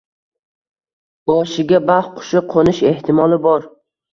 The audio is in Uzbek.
Boshiga “baxt qushi” qo’nish ehtimoli bor